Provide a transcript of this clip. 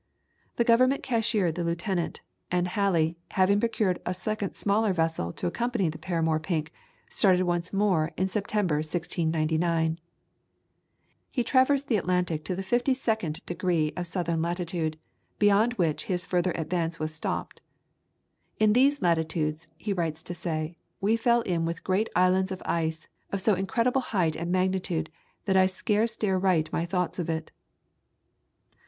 The government cashiered the lieutenant, and Halley having procured a second smaller vessel to accompany the "Paramour Pink," started once more in September, 1699. He traversed the Atlantic to the 52nd degree of southern latitude, beyond which his further advance was stopped. "In these latitudes," he writes to say, "we fell in with great islands of ice of so incredible height and magnitude, that I scarce dare write my thoughts of it."